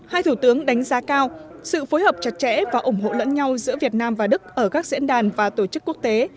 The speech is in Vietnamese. hai thủ tướng đánh giá cao sự phối hợp chặt chẽ và ủng hộ lẫn nhau giữa việt nam và đức ở các diễn đàn và tổ chức quốc tế